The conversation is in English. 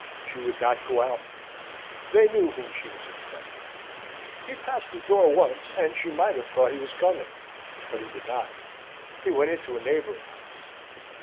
She would not go out. They knew whom she was expecting. He passed the door once, and she might have thought he was coming, but he did not. He went into a neighbouring house.